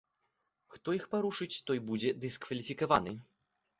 Хто іх парушыць той будзе дыскваліфікаваны.